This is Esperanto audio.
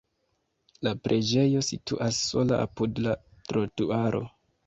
La preĝejo situas sola apud la trotuaro.